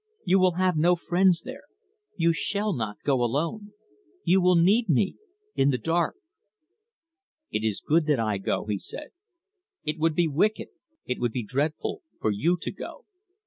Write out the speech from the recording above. You will have no friends there. You shall not go alone. You will need me in the dark." "It is good that I go," he said. "It would be wicked, it would be dreadful, for you to go."